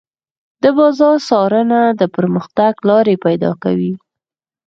د بازار څارنه د پرمختګ لارې پيدا کوي.